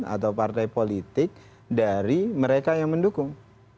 atau partai politik dari mereka yang mendukung